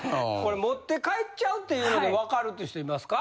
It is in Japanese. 持って帰っちゃうっていうのでわかるっていう人いますか？